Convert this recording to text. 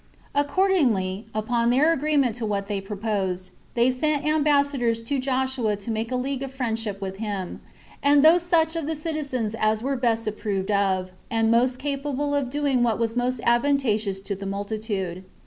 Accordingly, upon their agreement to what they proposed, they sent ambassadors to Joshua to make a league of friendship with him, and those such of the citizens as were best approved of, and most capable of doing what was most advantageous to the multitude.